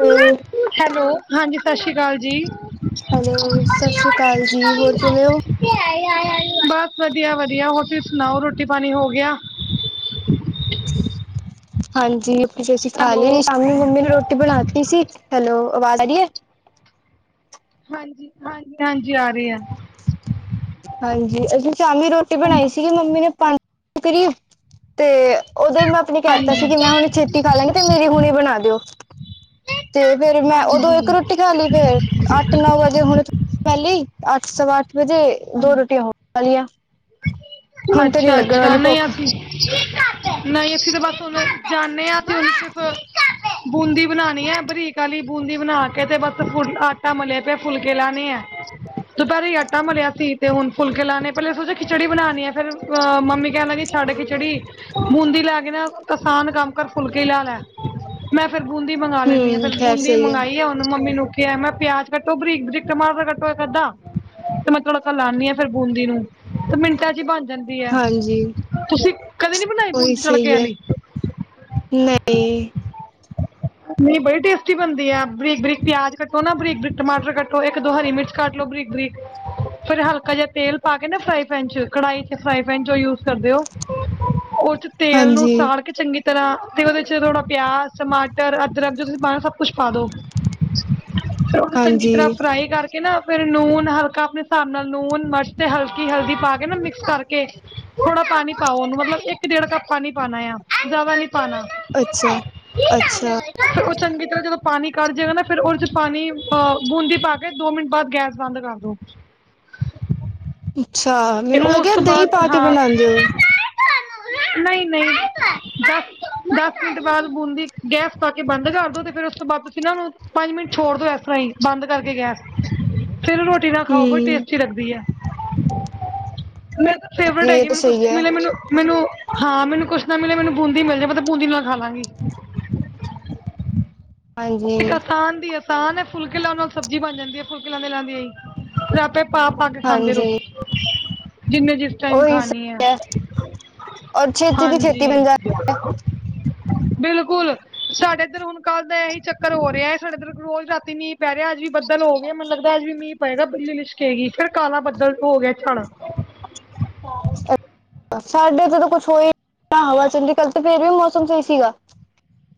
ਹੋਰ? ਹੈਲੋ, ਹਾਂਜੀ, ਸਤਿ ਸ੍ਰੀ ਅਕਾਲ ਜੀ। ਹੈਲੋ, ਸਤਿ ਸ੍ਰੀ ਅਕਾਲ ਜੀ, ਹੋਰ ਕਿਵੇਂ ਹੋ? ਬਸ, ਵਧੀਆ -ਵਧੀਆ ਹੋਰ ਤੁਸੀਂ ਸੁਣਾਓ, ਰੋਟੀ ਪਾਣੀ ਹੋ ਗਿਆ? ਹਾਂਜੀ, ਅਸੀਂ ਖਾ ਹੈਲੋ ਲਈ, ਸ਼ਾਮ ਮੰਮੀ ਨੇ ਰੋਟੀ ਬਣਾਤੀ ਸੀ। ਹੈਲੋ, ਆਵਾਜ਼ ਆ ਰਹੀ ਹੈ? ਹਾਂਜੀ -ਹਾਂਜੀ, ਹਾਂਜੀ ਆ ਰਹੇ ਆ, ਹਾਂਜੀ, ਅਸੀਂ ਸ਼ਾਮੀ ਰੋਟੀ ਬਣਾਈ ਸੀਗੀ, ਮੰਮੀ ਨੇ, ਪੰਜ ਦੇ ਕਰੀਬ ਤੇ ਉਦੋਂ ਹੀ ਮੈਂ, ਆਪਣੀ ਕਹਿ ਦਿੱਤਾ ਹਾਂਜੀ ਸੀ, ਕਿ ਮੈਂ ਹੁਣ ਛੇਤੀ ਖਾ ਲਾਂਗੀ ਤੇ, ਮੇਰੀ ਹੁਣੇ ਬਣਾ ਦਿਓ,, ਤੇ ਫੇਰ ਮੈਂ, ਉਦੋਂ ਹਾਂਜੀ ਇੱਕ ਰੋਟੀ ਖਾ ਲਈ ਫੇਰ, ਫੇਰ ਅੱਠ ਨੌ ਵਜੇ ਹੁਣ ਪਹਿਲੇ ਅੱਠ, ਸਵਾ ਅੱਠ ਵਜੇ, ਦੋ ਰੋਟੀਆਂ ਹੋਰ ਖਾ ਲਈਆਂ। ਅੱਛਾ -ਅੱਛਾ ਨ੍ਹੀ, ਭੁੱਖ ਅਸੀ ਨਹੀਂ, ਅਸੀ ਤੇ ਬਸ ਹੁਣ ਜਾਂਦੇ ਹਾਂ, ਤੇ ਸਫ ਬੂੰਦੀ ਬਣਾਣੀ ਹੈ, ਬਰੀਕ ਵਾਲੀ ਬੂੰਦੀ ਬਣਾ ਕੇ, ਤੇ ਬਸ ਫੁ ਆਟਾ ਮਲਿਆ ਪਿਆ, ਬਸ ਫੁਲਕੇ ਲਾਉਣੇ ਹੈ। ਦੁਪਹਿਰੇ, ਆਟਾ ਮਲਿਆ ਸੀ, ਤੇ ਹੁਣ ਫੁਲਕੇ ਲਾਣੇ ਪਹਿਲੇ ਸੋ ਖਿਚੜੀ ਬਣਾਉਣੀ ਹੈ। ਫਿਰ ਮੰਮੀ ਕਹਿਣ ਲੱਗੇ ਛੱਡ ਖਿਚੜੀ। ਬੂੰਦੀ ਲੈ ਕੇ ਨਾ, ਅਸਾਨ ਕੰਮ ਕਰ ਫੁਲਕੇ ਲਾ ਲੈ! ਮੈਂ ਫੇਰ ਬੂੰਦੀ ਮੰਗਾ ਲੈਂਦੀ ਆਂ, ਹਮ ਫੇਰ ਖੈਰ ਬੂੰਦੀ ਸਹੀ ਹੈ ਮੰਗਾਈ ਆ, ਉਹਨੂੰ ਮੰਮੀ ਨੂੰ, ! ਤੇ ਇਹ, ਮੈਂ ਪਿਆਜ ਕੱਟੋ, ਬਰੀਕ -ਬਰੀਕ ਟਮਾਟਰ ਕੱਟੋ ਇੱਕ ਅੱਧਾ,, ਤੇ ਮੈਂ ਤੜਕਾ ਲਾਂਦੀ ਹਾਂ, ਫਿਰ ਬੂੰਦੀ ਨੂੰ, ! ਤੇ ਮਿੰਟਾਂ ਚ ਹੀ ਬਣ ਜਾਂਦੀ ਹੈ!,, ਹਾਂਜੀ ਤੁਸੀਂ ਕਦੇ ਨੀ ਬਣਾਈ ਉਹੀ ਬੂੰਦੀ ਤੜਕੇ ਸਹੀ ਹੈ ਵਾਲੀ? ਨਹੀਂ,,,,,,,, ਨਹੀਂ ਬੜੀ ਟੇਸਟੀ ਬਣਦੀ ਆ, ਬਰੀਕ -ਬਰੀਕ ਪਿਆਜ ਕੱਟੋ ਨਾ, ਬਰੀਕ -ਬਰੀਕ ਟਮਾਟਰ ਕੱਟੋ, ਇੱਕ ਦੋ ਹਰੀ ਮਿਰਚ ਕੱਟ, ਲਉ ਬ੍ਰੀਕ -ਬ੍ਰੀਕ। ਫੇਰ ਹਲਕਾ ਜਿਹਾ, ਤੇਲ ਪਾ ਕੇ ਨਾ, ਫਰਾਈ ਪੈਨ ਚ, ਕੜ੍ਹੀ ਚ, ਫਰਾਈ ਪੈਨ ਚ ਉਹ ਯੂਜ ਕਰਦੇ ਹੋ ਉਹ, ਚ--ਸਤਿ ਸ੍ਰੀ ਅਕਾਲ ਤੇਲ ਨੂੰ, ਹਾਂਜੀ ਸਾੜ ਕੇ, ਚੰਗੀ ਤਰ੍ਹਾਂ ਤੇ, ਉਹਦੇ ਚ ਥੋੜ੍ਹਾ ਪਿਆਜ ਟਮਾਟਰ, ਅਦਰਕ ਜੋ ਤੁਸੀਂ ਪਾਣਾ ਉਸ ਪਾ ਦੋ, ਫੇਰ, ਉਹਨੂੰ ਚੰਗੀ ਹਾਂਜੀ, ਤਰ੍ਹਾਂ ਫਰਾਈ ਕਰਕੇ ਨਾ ਫੇਰ, ਨੂਨ -ਹਲਕਾ, ਆਪਣੇ ਹਿਸਾਬ ਨਾਲ ਲੂਣ ਮਿਰਚ ਤੇ ਹਲਕੀ ਹਲਦੀ ਪਾ ਕੇ ਨਾ ਮਿਕਸ ਕਰਕੇ ਕੇ ਥੋੜਾ, ਪਾਣੀ ਪਾਓ, ਉਹਨੂੰ ਮਤਲਬ ਇੱਕ ਡੇਢ ਕੱਪ ਪਾਣੀ ਪਾਉਣਾ ਆ, ਜ਼ਿਆਦਾ ਨੀ ਪਾਣਾ ਅੱਛਾ -ਅੱਛਾ। [unintelligible] ਚੰਗੀ ਤਰ੍ਹਾਂ, ਜਦੋਂ ਪਾਣੀ ਕੜ ਜਾਏਗਾ ਨਾ, ਫਿਰ ਉਹਦੇ ਚ ਪਾਣੀ ਅਹ ਬੂੰਦੀ ਪਾ ਕੇ, ਦੋ ਮਿੰਟ ਬਾਅਦ ਗੈਸ ਬੰਦ ਕਰਦੋ! ਅੱਛਾ ਫੇਰ ਮੈਨੂੰ ਉਸ ਲੱਗਿਆ ਤੋਂ, ਦਹੀਂ ਬਾਅਦ, ਪਾ ਕੇ ਹਾਂ। ਬਣਾਉਂਦੇ ਹੋ। ਨਹੀਂ- ਨਹੀਂ, ਦਸ ਮਿੰਟ ਬਾਦ ਬੂੰਦੀ ਗੈਸ ਪਾ ਕੇ, ਬੰਦ ਕਰ ਦੋ, ਤੇ ਫਿਰ ਉਸ ਤੋਂ ਬਾਅਦ ਤੁਸੀਂ ਨਾ, ਨੂੰ ਪੰਜ ਮਿੰਟ ਛੋੜ ਦਿਓ, ਇਸ ਤਰ੍ਹਾਂ ਹੀ ਬੰਦ, ਕਰਕੇ ਗੈਸ, ਫਿਰ, ਰੋਟੀ ਨਾਲ ਖਾਓ, ਬਹੁਤ ਹੂੰ, ਟੇਸਟੀ ਲੱਗਦੀ ਹੈ,। ਜੀ ਫੇਵਰੇਟ ਇਹ ਹੈਗੀ, ਤਾਂ ਮੈਨੂੰ ਕੁਛ ਸਹੀ ਹੈ। ਮਿਲੇ ਮੈਂਨੂੰ ਮੈਨੂੰ, ਹਾਂ ਮੈਨੂੰ ਕੁਛ ਨਾ ਮਿਲੇ, ਮੈਨੂੰ ਬੂੰਦੀ ਮਿਲ ਜਾਏ ਮੈਂ ਤਾਂ, ਬੂੰਦੀ ਨਾਲ ਖਾ ਲਾਂਗੀ! ਇੱਕ ਹਾਂਜੀ, ਆਸਾਨ ਦੀ ਆਸਾਨ ਹੈ। ਫੁਲਕੇ ਲਾਉਣ ਨਾਲ ਸਬਜ਼ੀ ਬਣ ਜਾਂਦੀ ਹੈ। ਫੁਲਕੇ ਲਾਂਦਿਆਂ- ਲਾਂਦਿਆਂ ਹੀ, ਫਿਰ ਆਪੇ ਆਪ ਪਾ, ਕੇ ਖਾਂਦੇ ਰਹੋ,,, ਹਾਂਜੀ ਜਿੰਨੇ ਚਿਰ ਟਾਈਮ, ਉਹੀ ਖਾਣੀ ਹੈ। ਸਹੀ ਔਰ ਛੇਤੀ ਦੀ ਛੇਤੀ ਹਾਂਜੀ ਬਣ ਜਾਂਦਾ। ਬਿਲਕੁਲ, ਸਾਡੇ ਇੱਧਰ ਹੁਣ ਕੱਲ ਦਾ, ਇਹੀ ਚੱਕਰ ਹੋ ਰਿਹਾ ਹੈ। ਸਾਡੇ ਇੱਧਰ ਰੋਜ਼ ਰਾਤੀ ਮੀਂਹ ਪੈ ਰਿਹਾ, ਅੱਜ ਵੀ ਬਦਲ ਹੋ ਗਿਆ, ਮੈਨੂੰ ਲਗਦਾ, ਅੱਜ ਵੀ ਮੀਂਹ ਪਏਗਾ ਬਿਜਲੀ ਲਿਸ਼ਕੇਗੀ। ਫਿਰ ਕਾਲਾ ਬੱਦਲ ਹੋ ਹੋ ਗਿਆ ਝੜ, [inaudible] ਸਾਡੇ ਇਥੇ ਤੇ, ਕੁਛ ਹੋਇਆ, ਈ, ਨਾ ਹਵਾ ਚੱਲੀ, ਕੱਲ੍ਹ ਤੇ ਫੇਰ ਵੀ ਮੌਸਮ ਸਹੀ ਸੀਗਾ!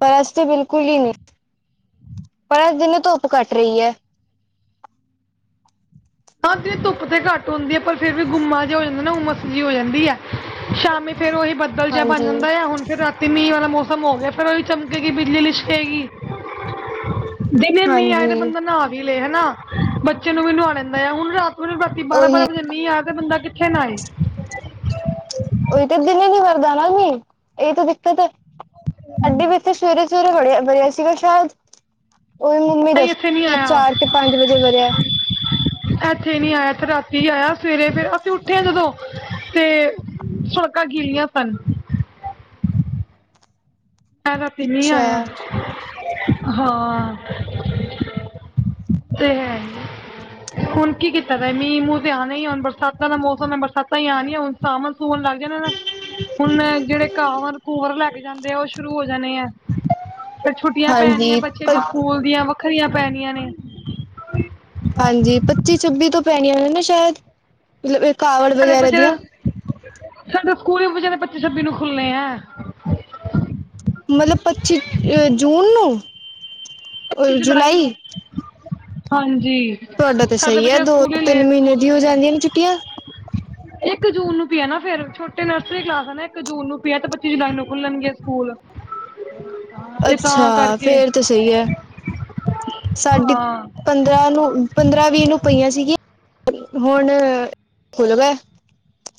ਪਰ ਅੱਜ ਤੇ, ਬਿਲਕੁਲ ਹੀ ਨੀ, ਪਰ ਅੱਜ ਦਿਨੇ ਧੁੱਪ ਘੱਟ ਰਹੀ ਹੈ। ਹਾਂ, ਧੁੱਪ ਤੇ ਘੱਟ ਹੁੰਦੀ ਹੈ। ਪਰ ਫੇਰ ਵੀ ਗੁੰਮਾ ਜਿਹਾ ਹੋ ਜਾਂਦਾ ਨਾ, ਉਮਸ ਜਿਹੀ ਹੋ ਜਾਂਦੀ ਹੈ। ਸ਼ਾਮੀ, ਫੇਰ ਉਹੀ ਬੱਦਲ ਜਿਹਾ ਬਣ ਹਾਂਜੀ, ਜਾਂਦਾ ਆ, ਹੁਣ ਫੇਰ ਰਾ ਤੀ, ਮੀਂਹ ਵਾਲਾ ਮੌਸਮ ਹੋ ਗਿਆ, ਫੇਰ ਉਹ ਹੀ ਚਮਕੇਗੀ ਬਿਜਲੀ ਲਿਸ਼ਕੇਗੀ। ਦਿਨੇ ਮੀਂਹ ਆਏ ਤੇ, ਹਾਂਜੀ ਬੰਦਾ ਨਹਾ ਵੀ ਲਏ, ਹਨਾ ਬੱਚੇ ਨੂੰ ਵੀ ਨਵਾ ਲੈੰਦਾ ਆ, ਹੁਣ ਰਾਤ ਨੂੰ ਨੀ ਬਾਰਾਂ ਉਹੀ ਬਾਰਾਂ ਵਜੇ ਮੀਂਹ ਆ ਤੇ ਬੰਦਾ ਕਿੱਥੇ ਨਾਂਏ,,, ਉਹੀ ਤੇ ਦਿਲ ਹੀ ਨਹੀ ਕਰਦਾ ਨਾ ਜੀ ਇਹ ਤਾਂ ਦਿੱਕਤ ਹੈ। ਸਾਡੇ ਵੀ ਇੱਥੇ ਸਵੇਰੇ ਸਵੇਰੇ ਵੜਿਆ ਬਰਿਆ ਸੀਗਾ ਸ਼ਾਇਦ ਉਹਹੀ ਮੀਹ ਨਹੀਂ ਇੱਥੇ ਨਹੀਂ ਦੱਸਿਆ ਆਇਆ ਚਾਰ ਤੇ ਪੰਜ ਵਜੇ ਵਰਿਆ ਇੱਥੇ ਨੀ ਆਇਆ ਤੇ ਰਾਤੀ ਆਇਆ ਸਵੇਰੇ ਫੇਰ ਅਸੀਂ ਉੱਠੇ ਹਾਂ ਜਦੋਂ ਤੇ ਸੜਕਾਂ ਗੀਲੀਆਂ ਸਨ ਤਾ ਰਾਤੀ ਮੀਂਹ ਆਇਆ। ਅੱਛਾ ਹਾਂ ਤੇ ਹੈ ਹੁਣ ਕੀ ਕੀਤਾ ਜਾਏ ਮੀਂਹ ਮੂੰਹ ਤੇ ਆਣੇ ਹੀ ਹੁਣ ਬਰਸਾਤਾਂ ਦਾ ਮੌਸਮ ਹੈ ਬਰਸਾਤਾਂ ਹੀ ਆਉਣੀਆਂ ਹੁਣ ਸਾਵਣ ਸੂਵਣ ਲੱਗ ਜਾਣਾ ਨਾ ਹੁਣ ਇਹ ਜਿਹੜੇ ਘਾਵਰ ਘੂਵਰ ਲੈ ਕੇ ਜਾਂਦੇ ਆ ਉਹ ਸ਼ੁਰੂ ਹੋ ਜਾਣੇ ਆ ਫਿਰ ਛੁੱਟੀਆਂ ਪੈਣੀਆਂ ਹਾਂਜੀ ਬੱਚੇ ਦੀ ਸਕੂਲ ਦੀਆਂ ਵੱਖਰੀਆਂ ਪੈਣੀਆਂ ਨੇ ਹਾਂਜੀ, ਪੱਚੀ ਛੱਬੀ ਤੋਂ ਪੈਣੀਆਂ ਨੇ ਨਾ ਸ਼ਾਇਦ ਮਤਲਬ ਇਹ ਕਾਵੜ ਵਗੈਰਾ ਦੀਆਂ ਸਾਡਾ ਸਕੂਲ ਹੀ ਬੱਚਿਆ ਦੇ ਪੱਚੀ ਛੱਬੀ ਨੂੰ ਖੁੱਲਣੇ ਹੈ। ਮਤਲਬ ਪੱਚੀ ਅ ਜੂਨ ਨੂੰ? ਇਕੀ ਜੁਲਾਈ ਨੂੰ ਹਾਂਜੀ। ਤੁਹਾਡਾ ਤੇ ਸਾਡੇ ਸਹੀ ਬੱਚੇ ਹੈ ਤਾਂ ਦੋ ਸਕੂਲ ਹੀ ਤਿੰਨ ਲੇਟ ਮਹੀਨੇ ਦੀ ਹੋ ਖੋਲਣੇ ਆ। ਜਾਂਦੀਆਂ ਨੇ ਛੁੱਟੀਆਂ। ਇੱਕ ਜੂਨ ਨੂੰ ਪਇਆ ਨਾ ਫੇਰ ਛੋਟੇ ਨਰਸਰੀ ਕਲਾਸ ਹੈ ਨਾ ਇੱਕ ਜੂਨ ਨੂੰ ਪਇਆ ਤੇ ਪੱਚੀ ਜੁਲਾਈ ਨੂੰ ਖੁੱਲਣਗੇ ਸਕੂਲ [inaudible] ਤੇ ਅੱਛਾ ਤਾਂ ਕਰਕੇ ਫੇਰ ਤਾਂ ਸਹੀ ਹੈ ਸਾਡੀ ਹਾਂ, ਪੰਦਰਾਂ ਨੂੰ ਪੰਦਰਾਂ ਵੀਹ ਨੂੰ ਪਈਆਂ ਸੀਗੀ ਹੁਣ ਖੁੱਲ ਗਏ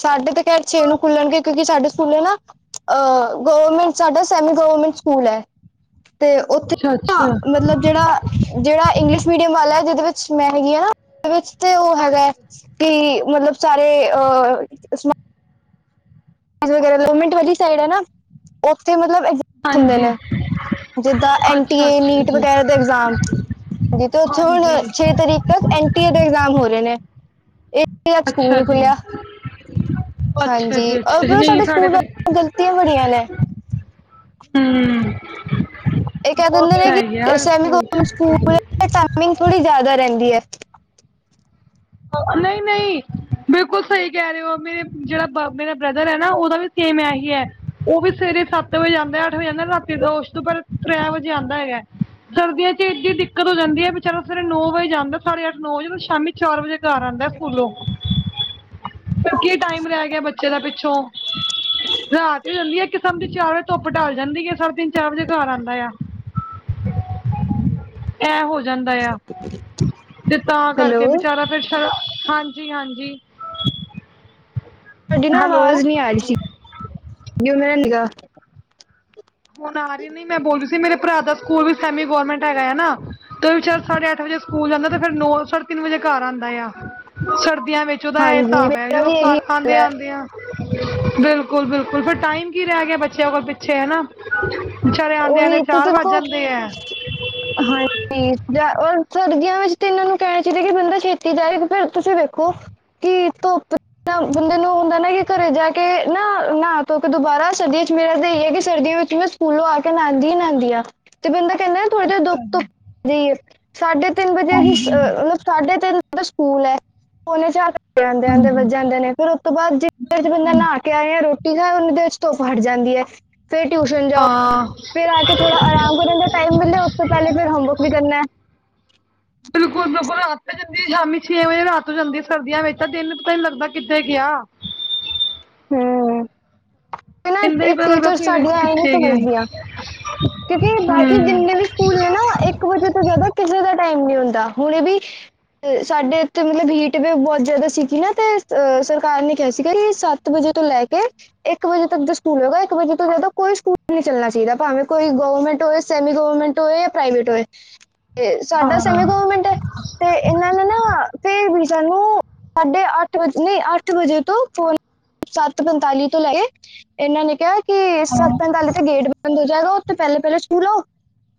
ਸਾਡੇ ਤਾਂ ਖੈਰ ਛੇ ਨੂੰ ਖੁੱਲਣਗੇ ਕਿਉਂਕਿ ਸਾਡੇ ਸਕੂਲੇ ਨਾ ਅ, ਹ ਗਵਰਮੈਂਟ ਸਾਡਾ ਸੈਮੀ ਗੌਰਰਮੈਂਟ ਸਕੂਲ ਹੈ, ਤੇ ਉੱਥੇ ਨਾ ਅੱਛਾ-ਅੱਛਾ। ਮਤਲਬ ਜਿਹੜਾ ਜਿਹੜਾ ਇੰਗਲਿਸ਼ ਮੀਡੀਅਮ ਵਾਲਾ ਹੈ ਜਿਹਦੇ ਵਿੱਚ ਮੈਂ ਹੈਗੀ ਆ ਨਾ ਉਹਦੇ ਵਿਚ ਤੇ ਉਹ ਹੈਗਾ ਹੈ ਤੇ ਮਤਲਬ ਸਾਰੇ ਅ [unintelligible] ਗੋਰਮਿੰਟ ਵਾਲੀ ਸਾਈਡ ਐ ਨਾ, ਓਥੇ ਮਤਲਬ ਹਾਂਜੀ। ਜਿੱਦਾ ਐਨ ਟੀ ਏ, ਅੱਛਾ-ਅੱਛਾ ਨੀਟ ਜੀ। ਵਗੈਰਾ ਦੇ ਐਗਜ਼ਾਮ ਹਾਂਜੀ, [unintelligible] ਛੇ ਤਰੀਕ ਬਸ ਐਨ ਟੀ ਏ ਦੇ ਐਗਜ਼ਾਮ ਹੋਰੇ ਨੇ, ਏਕ ਤੇ ਅੱਜ ਸਕੂਲ ਅੱਛਾ ਨੀ ਜੀ, ਖੁੱਲ੍ਹਿਆ, ਅੱਛਾ ਹਾਂਜੀ। ਜੀ, ਅੱਛਾ ਜੀ, ਸਾਡੇ ਸਕੂਲ ਗਲਤੀਆਂ ਬੜੀਆਂ ਨੇ ਹਮ। ਇਹ ਕਹਿ ਉਹ ਦਿੰਦੇ ਤੇ ਹੈ ਹੀ ਹੈ ਹਰ ਸਕੂਲ ਚ ਪਰ ਟਾਈਮਿੰਗ ਥੋੜੀ ਜ਼ਿਆਦਾ ਰਹਿੰਦੀ ਹੈ। ਨਹੀਂ ਨਹੀਂ ਬਿਲਕੁਲ ਸਹੀ ਕਹਿ ਰਹੇ ਹੋ ਮੇਰੇ ਜਿਹੜਾ ਮੇਰਾ ਬ੍ਰਦਰ ਹੈ ਨਾ ਉਹਦਾ ਵੀ ਸੇਮ ਆ ਹੀ ਹੈ। ਉਹ ਵੀ ਸਵੇਰੇ ਸੱਤ ਵਜੇ ਜਾਂਦਾ ਅੱਠ ਵਜੇ ਜਾਂਦਾ ਰਾਤੀ ਉਸ ਤੋਂ ਪਰ ਤ [unintelligible] ਵਜੇ ਆਉਂਦਾ ਹੈਗਾ। ਸਰਦੀਆਂ ਚ ਏਡੀ ਦਿੱਕਤ ਹੋ ਜਾਂਦੀ ਹੈ ਵਿਚਾਰਾ ਸਵੇਰੇ ਨੌ ਵਜੇ ਜਾਂਦਾ ਸਾਢੇ ਅੱਠ ਨੌ ਵਜੇੋਂ ਸ਼ਾਮੀ ਚਾਰ ਵਜੇ ਘਰ ਆਉਂਦਾ ਸਕੂਲੋਂ ਫਿਰ ਕੀ ਟਾਈਮ ਰਹਿ ਗਿਆ ਬੱਚੇ ਦਾ ਪਿੱਛੋਂ ਰਾਤ ਹੀ ਹੋ ਜਾਂਦੀ ਆ ਇਕ ਕਿਸਮ ਦੀ ਚਾਰ ਵਜੇ ਧੁੱਪ ਡਲ ਜਾਂਦੀ ਹੈ ਸਾਢੇ ਤਿੰਨ ਚਾਰ ਵਜੇ ਘਰ ਆਉਂਦਾ ਆ [inaudible] ਐ ਹੋ ਜਾਂਦਾ ਆ ਤੇ ਤਾਂ ਕਰਕੇ ਹੈਲੋ ਵਿਚਾਰਾ ਫੇਰ ਚਲੋ ਹਾਂਜੀ, ਹਾਂਜੀ। ਤਾਡੀ ਨਾ ਹੈਲੋ ਆਵਾਜ਼ ਨੀ ਆ ਰੀ ਸੀ। [unintelligible] ਹੁਨ ਆਰੀ ਨੀ, ਮੈਂ ਬੋਲ ਰੀ ਸੀ, ਮੇਰੇ ਭਰਾ ਦਾ ਸਕੂਲ ਵੀ ਸੈਮੀ ਗੋਰਮੈਂਟ ਹੈਗੈ ਐਨਾ ਤੇ ਵਿਚਾਰ ਸਾਢੇ ਅੱਠ ਵਜੇ ਸਕੂਲ ਜਾਂਦਾ, ਤੇ ਫੇਰ ਨੌ, ਸਾਢੇ ਤਿੰਨ ਵਜੇ ਘਰ ਆਂਦਾ ਆ ਸਰਦੀਆਂ ਵਿੱਚ। ਤੇ ਓਦਾ ਏ ਹਾਂਜੀ ਸਾਬ ਐ, ਮੇਰਾ ਜਦੋ ਵੀ ਇਹੀ ਘਰ ਹਾਲ ਆਂਦੇ, ਹੈ ਆਂਦੇ ਆ। ਬਿਲਕੁਲ, ਬਿਲਕੁਲ ਫੇਰ ਟਾਈਮ ਕੀ ਰੈ ਗਿਆ ਬੱਚਿਆ ਕੋਲ ਪਿੱਛੇ, ਹਨਾ ਉਹੀ ਤੂੰ ਤੇ ਬਿਲਕੁਲ, ਜਾਂਦੇ ਆ ਹਾਂਜੀ, ਜਾ ਔਰ ਸਰਦੀਆਂ ਵਿੱਚ ਤੇ ਏਨਾਂ ਨੂੰ ਕੈਨਾ ਚਾਈਦਾ ਕਿ ਬੰਦਾ ਛੇਤੀ ਜਾਵੇ, ਫੇਰ ਤੁਸੀ ਵੇਖੋ ਕੀ ਧੁੱਪ ਤਾਂ ਬੰਦੇ ਨੂੰ ਹੁੰਦੈ ਨਾ ਕਿ ਘਰੇ ਜਾ ਕੇ ਨਾ, ਨਾ-ਧੋਕੇ ਦੁਬਾਰਾ, ਸਰਦੀਆਂ ਇੱਚ ਮੇਰਾ ਤੇ ਏ ਐ ਕਿ ਸਰਦੀਆਂ ਵਿੱਚ ਕਿ ਮੈ ਸਕੂਲੋ ਆ ਕੇ ਨਾਂਦੀ, ਨਾਂਦੀ ਆ, ਤੇ ਬੰਦਾ ਕੈਂਦਾ ਥੋੜੇ ਦੇਰ ਧੂੱਪ, ਅੱਛਾ ਜੀ ਧੁੱਪ ਸਾਡੇ ਤੇ ਤਿੰਨ ਵਜੇ ਹੀ, ਹਾਂਜੀ ਅ ਅ ਸਾਢੇ ਤਿੰਨ ਵਜੇ ਦਾ ਸਕੂਲ ਐ, ਪੌਨੇ ਚਾਰ ਤੇ ਆਂਦੇ, ਆਂਦੇ ਵੱਜ ਜਾਂਦੇ ਨੇ, ਫਿਰ ਉਸ ਤੋ ਬਾਦ ਜੇ ਬੰਦਾ ਨਾ ਕੇ ਆਏਂਆ, ਰੋ- ਨਾ ਉਨੀ ਦੇਰ ਚ ਧੁੱਪ ਹੱਟ ਜਾਂਦੀ ਐ, ਫੇਰ ਟਿਯੂਸ਼ਨ ਜਾਓ। ਹਾਂ ਫੇਰ ਆਕੇ ਥੋੜਾ ਆਰਾਮ ਕਰਨ ਦਾ ਟਾਈਮ ਮਿਲੇ, ਉਸ ਤੋ ਪੈਲੇ ਫਿਰ ਹੋਮਵਰਕ ਵੀ ਕਰਨਾ। ਬਿਲਕੁੱਲ, ਬਿਲਕੁੱਲ ਰਾਤ ਪੈ ਜਾਂਦੀ ਏ ਸ਼ਾਮੀ ਛੇ ਵਜੇ, ਰਾਤ ਹੋ ਜਾਂਦੀ ਸਰਦੀਆਂ ਵਿੱਚ, ਤਾ ਦੇਨ ਪਤਾ ਈ ਨੀ ਲੱਗਦਾ ਕਿੱਥੇ ਗਿਆ। ਹੂੰ, ਇਹਨਾ ਦਿਨ ਦਾ ਏ ਨਹੀਂ ਪਤਾ ਲੱਗਦਾ ਟੀਚਰ ਸਵੇਰੇ ਸਾਡੀਆਂ ਐਵੀ ਨੀ ਕਿੱਥੇ ਗਿਆ ਸਮਝਦੀਆਂ। ਕਿਉਕਿ ਬਾਕੀ ਹੂੰ ਜਿੰਨੇ ਵੀ ਸਕੂਲ ਨੇ ਨਾ, ਏਕ ਵਜੇ ਤੋ ਜਾਦਾ ਕਿਸੇ ਦਾ ਟਾਈਮ ਨੀ ਹੁੰਦਾ, ਹੁਣੇ ਵੀ ਤੇ ਸਾਡੇ ਇੱਥੇ ਮਤਲ ਹੀਟ ਵੀ ਬੋਤ ਜਾਦਾ ਸੀਗੀ ਨਾ, ਤੇ ਅ ਸਰਕਾਰ ਨੇ ਕਿਹਾ ਸੀਗਾ ਕਿ ਸਾ ਆਠ ਵਜੇ ਤੋ ਲੈ ਕੇ ਏਕ ਵਜੇ ਤੱਕ ਦੇ ਸਕੂਲ ਹੋਏਗਾ, ਏਕ ਵਜੇ ਤੋ ਜੈਦਾ ਕੋਈ ਸਕੂਲ ਨੀ ਚੱਲਨਾ ਚਾਈਦਾ, ਭਾਵੇਂ ਕੋਈ ਗੌਵਮੈਂਟ ਹੋਏ, ਸੈਮੀ ਗੌਵਰਮੈਂਟ ਹੋਏ, ਪ੍ਰਾਈਵੇਟ ਹੋਏ। ਤੇ ਸਾਡਾ ਹਾਂ ਸੈਮੀ ਗੋਵਮੈਂਟ ਐ, ਤੇ ਇਹਨਾਂ ਨੇ ਨਾ [inaudible] ਫੇਰ ਵੀ ਸਾਨੂੰ ਸਾਢੇ ਅੱਠ ਵਜੇ, ਨਈ ਅੱਠ ਵਜੇ ਤੋ ਪੋਣ ਸੱਤ ਪੰਤਾਲੀ ਤੋ ਲੈਕੇ, ਐਨਾਂ ਨੇ ਕਿਆ ਕਿ ਸੱਤ ਹਾਂ ਪੈਂਤਾਲੀ ਤੇ ਗੇਟ ਬੰਦ ਹੋ ਜਾਏਗਾ। ਤੇ ਪੈਲੇ-ਪੈਲੇ ਸਕੂਲੋ,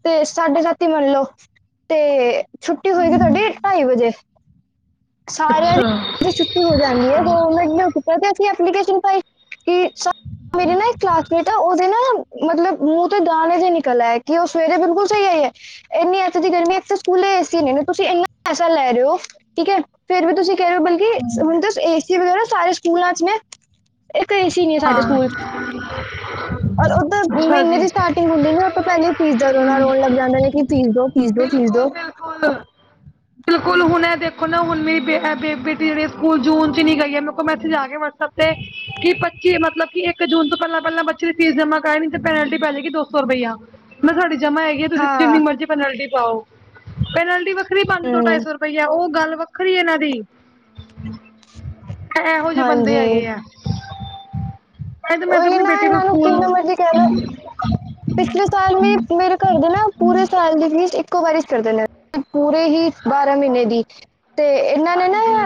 ਤੇ ਸਾਢੇ ਸੱਤ ਈ ਮਨਲੋ, ਤੇ ਛੁੱਟੀ ਹੋਏਗੀ ਤੋਆਡੀ ਅੱਛਾ ਢਾਈ ਵਜੇ ਸਾਰਿਆਂ ਹਾਂ ਦੀ ਛੁੱਟੀ ਹੋ ਜਾਨੀ ਐ ਗੌਵਰਮੈਂਟ ਨੇ ਤਦੇ ਅਸੀ ਐਪਲੀਕੇਸ਼ਨ ਪਾਈ ਕਿ ਸਾ ਮੇਰੀ ਨਾ ਇੱਕ ਕਲਾਸਮੇਟ ਐ, ਓ ਤੇ ਨਾ ਮਤਲਬ, ਮੂੰ ਤੇ ਦਾਨੇ ਜੇ ਨਿਕਲ ਆਏ ਕਿ ਓ ਸਵੇਰੇ ਬਿਲਕੁੱਲ ਸਈ ਆਈ ਐ। ਏਨੀ ਅੱਤ ਦੀ ਗਰਮੀ, ਇੱਕ ਤਾਂ ਸਕੂਲੇ ਏਸੀ ਨੀ, ਤੁਸੀ ਏਨਾਂ ਪੈਸਾ ਲੈ ਰੇਓ। ਠੀਕ ਹੈ ਫਿਰ ਵੀ ਤੁਸੀਂ ਕਹਿ ਰਹੇ ਹੋ ਬਲਕਿ ਹੁਣਂ ਏ ਸੀ ਵਗੈਰਾ ਨਾ ਸਾਰੇ ਸਕੂਲਾਂ ਚ ਨੇ ਇੱਕ ਏਸੀ ਨੀ ਸਾਡੇ ਸਕੂਲ ਚ ਔਰ ਉੱਧਰ ਅੱਛਾ ਮਹੀਨੇ ਜੀ ਦੀ ਸਟਾਰਟਿੰਗ ਹੁੰਦੀ ਨੇ ਉਹ ਤੋਂ ਪਹਿਲੇ ਹੀ ਫੀਸ ਦੋ ਨਾਲ ਰੋਣ ਲੱਗ ਜਾਂਦੇ ਨੇ ਕਿ ਫੀਸ ਦੋ-ਫੀਸ ਦੋ-ਫੀਸ ਦੋ ਬਿਲਕੁੱਲ ਬਿਲਕੁੱਲ ਹੁਣ ਇਹ ਦੇਖੋ ਨਾ ਹੁਣ ਮੇਰੀ ਬੇੇ ਬੇਟੀ ਜਿਹੜੀ ਸਕੂਲ ਜੂਨ ਚ ਨਹਿ ਗਈ ਮੈੇਜ ਆ ਗਿਆ ਹਫ਼ਤੇ ਕਿ ਪ ਕੀ ਮਤਲਬ ਕਿ ਏਕ ਜੂਨ ਤੋ ਪੈਲਾ-ਪੈਲਾ ਬੱਚੇ ਦੀ ਫੀਸ ਜਮਾਂ ਕਰਾਈ, ਨੀ ਤੇ ਪੈਨਲਟੀ ਪੈਜੇਗੀ ਦੋ ਸੌ ਰੁਪਈਆ ਨਾ ਸਾਡੀ ਜਮਾ ਹੈਗੀ। ਯਾ ਤੁਸੀ ਜਿੰਨੀ ਹਾਂ ਮਰਜ਼ੀ ਪੈਨਲਟੀ ਪਾਓ, ਪੈਨਲਟੀ ਵੱਖਰੀ ਪਾਂਦੇ ਦੋ ਹਮ, ਟਾਈਸੌ ਰੁਪਈਆ, ਓ ਗੱਲ ਵੱਖਰੀ ਵੱਖਰੀ ਏਨਾਂ ਦੀ, ਐ ਐਹੋ ਜੇ ਬੰਦੇ ਹਾਂਜੀ ਹੈਗੇ ਆ। ਮੈ ਤੇ ਮੈਂ ਤੇ ਉਹੀ ਅਪਨੀ ਨਾ ਬੇਟੀ ਨੂੰ ਇਹਨਾਂ ਕਿੰਨਾ ਸਕੂਲ ਮਰਜ਼ੀ ਕਹਿ ਲਓ ਪਿਛਲੇ ਸਾਲ ਵੀ ਮੇਰੇ ਘਰ ਦੇ ਨਾ ਪੂਰੇ ਸਾਲ ਦੀ ਫੀਸ ਇੱਕੋ ਵਾਰੀ ਚ ਕਰਦੇ ਨੇ। ਪੂਰੇ ਹੀ ਬਾਰਾ ਮੀਨੇ ਦੀ, ਤੇ ਐਨਾਂ ਨੇ ਨਾ ਹਾਂਜੀ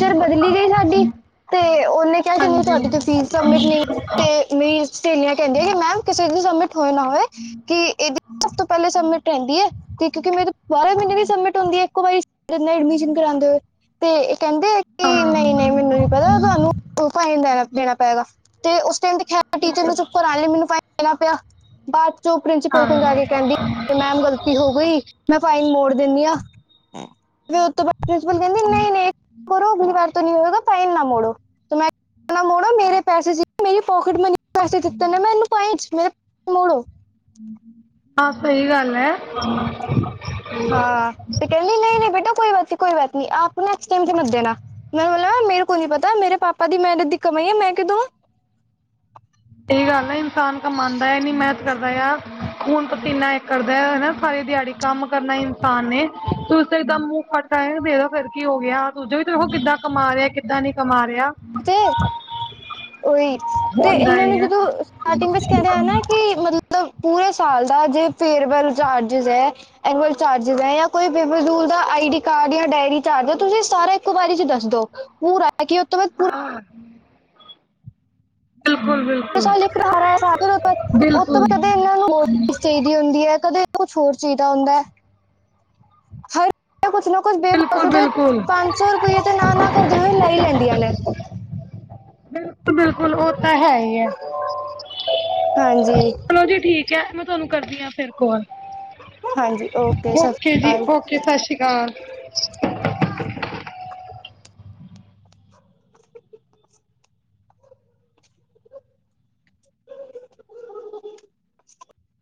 ਚਿਰ ਬਦਲੀ ਗਈ ਸਾਡੀ ਤੇ ਓਨੇ ਕਯਾ ਕਿ ਨੀ ਹਾਂਜੀ ਤੁਹਾਡੀ ਤੇ ਫੀਸ ਸਬਮਿਟ ਨਈ ਤੇ ਮੇਰੀ ਸੇਲੀਯਾਂ ਕੈਂਦੀਆਂ ਕਿ ਮੈਮ ਕਿਸੇ ਦੀ ਸਬਮਿਟ ਹੋਏ ਨਾ ਹੋਵੇ ਕਿ ਏਦੀ ਸਭ ਤੋ ਪੈਲੇ ਸਬਮਿਟ ਰੈਂਦੀ ਐ, ਤੇ ਕਿਉਕਿ ਮੇਰੇ ਬਾਰਾ ਮੀਨੇ ਵੀ ਸਬਮਿਟ ਹੁੰਦੀ ਏ ਇੱਕੋ ਵਾਰੀ ਚ, ਐਡਮਿਸ਼ਨ ਕਰਾਂਦੇ ਹੋਏ, ਤੇ ਏ ਕੈਂਦੇ ਐ ਨੀ ਹਾਂ ਨਈ-ਨਈ ਮੈਨੂੰ ਨੀ ਪਤਾ, ਤਵਾਨੂੰ ਪਾਈ ਨੂੰ ਲੈਣਾ-ਦੇਨਾ ਪਾਏਗਾ, ਤੇ ਓਸ ਟਾਈਮ ਤੇ ਹੈ ਟੀਚਰ ਨੂੰ ਚੁੱਪ ਕਰ ਆ ਲਈ ਮੈਨੂੰ ਫਾਈਨ ਦੇਣਾ ਪਿਆ। ਬਾਅਦ ਚ ਉਹ ਪ੍ਰਿੰਸੀਪਲ ਹਾਂ ਕੋਲ ਜਾ ਕੇ ਕਹਿੰਦੀ ਮੈਮ ਗਲਤੀ ਹੋ ਗਈ। ਮੈਂ ਫਾਈਨ ਮੋੜ ਦਿੰਣੀ ਆ ਫਿਰ ਕਹਿੰਦੀ ਨਹੀ-ਨਹੀ ਕਰੋ ਅਗਲੀ ਵਾਰ ਤੋਂ ਨੀ ਫਾਈਨ ਨਾ ਮੋੜੋ ਮੈਂ ਨਾ ਮੋੜੋ ਮੇਰੇ ਪੈਸੇ ਸੀ ਮੇਰੀ ਪੋਕਿਟ ਮਨੀ ਪੈਸ ਦਿੱਤੇ ਨੇ ਮੈਨੂੰ ਪਮੇ ਮੋੜੋ ਆਹ ਸਹੀ ਗੱਲ ਐ। ਹਾਂ ਤੇ ਕਹਿੰਦੀ ਨਹੀ-ਨਹੀ ਬੇਟਾ ਕੋਈ ਬਾਤ ਨੀ-ਕੋਈ ਬਾਤ ਨੀ ਆਪ ਨਾ ਐਕਸਚੈਂਜ ਮਤ ਦੇਣਾ। ਮੈਨੇ ਬੋਲਾਂ ਮੇਰੇ ਕੋਲ ਨੀ ਪਤਾ ਮੇਰੇ ਪਾਪਾ ਦੀ ਮਿਹਨਤ ਦੀ ਕਮਾਈ ਆ ਮੈਂ ਕਿੳ ਦੋਂ। ਇਹ ਗੱਲ ਹੈ ਇਨਸਾਨ ਕਮਾਉਦਾ ਨੀ ਮਿਹਨਤ ਕਰਦਾ ਯਾਰ ਖੂਨ ਪਸੀਨਾ ਇੱਕ ਕਰਦਾ ਹਨਾ ਸਾਰੇ ਦਿਹਾੜੀ ਕੰਮ ਕਰਨਾ ਇਨਸਾਨ ਨੇ ਦੂਸਰੇ ਦਾ ਮੂੰਹ ਖੱਟ ਕ ਦੇਖੋ ਫਿਰ ਕੀ ਹੋ ਗਿਆ ਦੂਜਾ ਵੀ ਤੇ ਉਹ ਕਿੱਦਾਂ ਕਮਾ ਰਿਐ ਕਿੱਦਾ ਨਹੀਂ ਕਮਾ ਰਿਹਾ। ਤੇ ਉਏ ਤੇ ਇਹ ਹੁੰਦਾ ਹੀ ਨੂੰ ਹੈ ਜਦੋਂ ਸਟੇਅਰਿੰਗ ਵਿਚ ਕਹਿ ਰਹੇ ਕਿ ਮਤਲਬ ਮਤਲਬ ਪੂਰੇ ਸਾਲ ਦਾ ਜੇ ਫੇਅਰਵੈੱਲ ਚਾਰਜਿਸ ਹੈ। ਨਾਲ ਚਾਰਜਿਜ ਕੋਈ ਬੇਬੂ ਦਾ ਆਈ ਡੀ ਕਾਰਡ ਡੇਰੀ ਚਾਰਜ ਹੈ ਤੁਸੀਂ ਸਾਰਾ ਇੱਕੋ ਬਾਰੀ ਚ ਦੱਸ ਦੋ। ਭੂਰਾ ਕਿ ਉਹ ਤੋਂ ਪੂਰਾ ਹਾਂ ਬਿਲਕੁੱਲ ਬਿਲਕੁੱਲ ਉਹ ਤੋਂ ਪਤਾ ਇਹ ਨੂੰਾਹੀ [unintelligible] ਹੁੰਦੀ ਹੈ ਕਦੇ ਕੁੱਛ ਹੋਰ ਚਾਹੀਦਾ ਹੁੰਦਾ ਹਰ ਕੁੱਛ ਨਾ ਕੁੱਝ ਬੇ ਬਿਲਕੁਲ ਬਿਲਕੁਲ ਪੰਜਸੌ ਰੁਪਈਏ ਤੇ ਨਾ ਨਾ ਕਰਦੇ ਹੋਏ ਲੈ ਲੈਂਦੀਆਂ ਨੇ ਬਿਲਕੁੱਲ ਬਿਲਕੁੱਲ ਉਹ ਤਾਂ ਹੈ ਹੀ ਹੈ ਹਾਂਜੀ ਚਲੋ ਜੀ ਠੀਕ ਹੈ ਮੈਂ ਤੁਹਾਨੂੰ ਕਰਦੀ ਹੈ ਫਿਰ ਕੋਲ। ਹਾਂਜੀ ਉਕੇ ਸਤਿ ਓਕੇ ਸ਼੍ਰੀ ਜੀ ਅਕਾਲ ਓਕੇ ਸਤਿ ਸ਼੍ਰੀ ਅਕਾਲ।